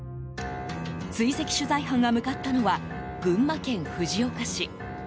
追跡取材班が向かったのは群馬県藤岡市。